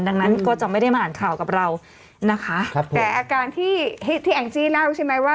ดังนั้นก็จะไม่ได้มาอ่านข่าวกับเรานะคะครับแต่อาการที่ที่แองจี้เล่าใช่ไหมว่า